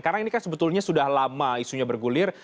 karena ini kan sebetulnya sudah lama isunya bergulir